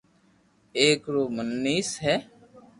ايڪ رو منيس ھي